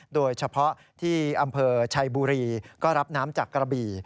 โดยเฉพาะที่อำเภอชัยบุรีก็รับน้ำจากกระบี่